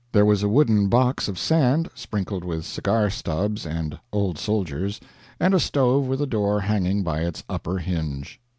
There was a wooden box of sand, sprinkled with cigar stubs and "old soldiers," and a stove with a door hanging by its upper hinge.